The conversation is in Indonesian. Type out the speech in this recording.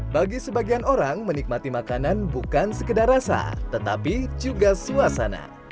bagi sebagian orang menikmati makanan bukan sekedar rasa tetapi juga suasana